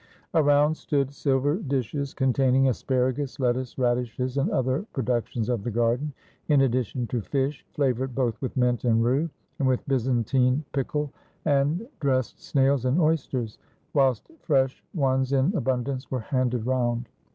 Around stood silver dishes con 472 I A ROMAN BANQUET taining asparagus, lettuce, radishes, and other produc tions of the garden, in addition to fish, flavored both with mint and rue, and with Byzantine pickle, and dressed snails and oysters, whilst fresh ones in abun dance were handed round.